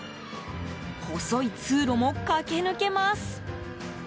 細い通路も駆け抜けます。